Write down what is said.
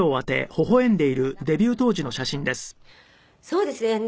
そうですね。